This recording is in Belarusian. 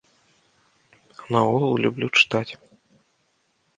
А наогул люблю чытаць.